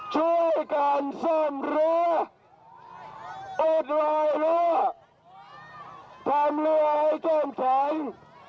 ช่วยกันซ่อมเรืออุดวายเรือทำเรือให้เก่งแข็ง